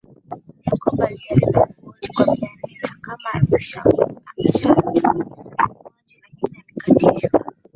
Jacob alijaribu kuhoji kwa Bi Anita kama wameshamjua muuaji lakini alikatishwa